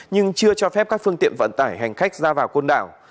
nhưng chưa cho phép các phương tiện vận tải hành khách ra vào côn đảo